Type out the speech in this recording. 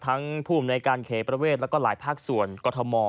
ผู้อำนวยการเขตประเวทแล้วก็หลายภาคส่วนกรทม